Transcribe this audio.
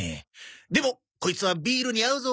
でもコイツはビールに合うぞ。